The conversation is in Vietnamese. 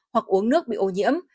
hoặc uống nước bị ô nhiễm